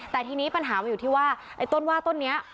แต่ทีนี้ปัญหามันอยู่ที่ว่าไอ้ต้นว่าต้นนี้